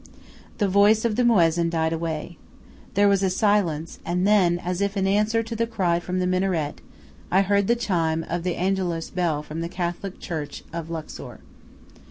The voice of the muezzin died away. There was a silence; and then, as if in answer to the cry from the minaret, I heard the chime of the angelus bell from the Catholic church of Luxor.